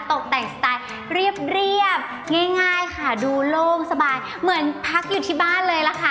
ตกแต่งสไตล์เรียบง่ายค่ะดูโล่งสบายเหมือนพักอยู่ที่บ้านเลยล่ะค่ะ